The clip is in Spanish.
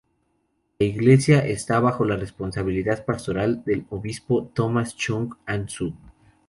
La iglesia esta bajo la responsabilidad pastoral del obispo Thomas Chung An-zu.